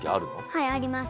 はいあります。